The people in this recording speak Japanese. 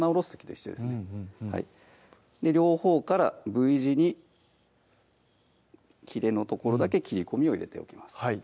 うんうんうん両方からＶ字にひれの所だけ切り込みを入れておきます